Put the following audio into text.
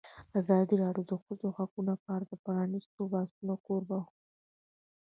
ازادي راډیو د د ښځو حقونه په اړه د پرانیستو بحثونو کوربه وه.